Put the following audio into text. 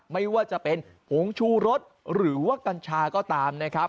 ไม่ว่าจะเป็นผงชูรสหรือว่ากัญชาก็ตามนะครับ